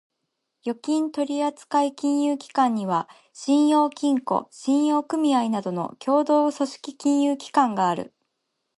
預金取扱金融機関には、信用金庫、信用組合などの協同組織金融機関がある。